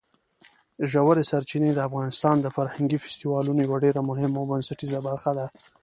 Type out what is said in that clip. ژورې سرچینې د افغانستان د فرهنګي فستیوالونو یوه ډېره مهمه او بنسټیزه برخه ده.